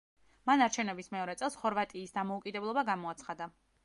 მან არჩევნების მეორე წელს, ხორვატიის დამოუკიდებლობა გამოაცხადა.